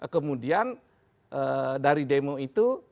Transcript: kemudian dari demo itu